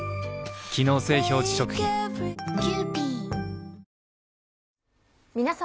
機能性表示食品皆様。